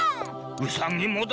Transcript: ウサギもだ。